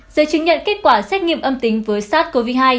giới chứng nhận kết quả xét nghiệm âm tính với sars cov hai